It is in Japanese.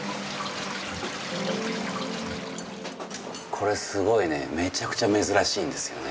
これすごいねめちゃくちゃ珍しいんですよね